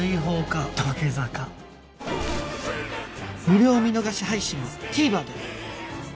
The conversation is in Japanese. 無料見逃し配信は ＴＶｅｒ で